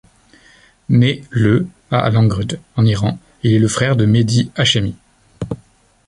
Né le à Langrud, en Iran, il est le frère de Mehdi Hashemi.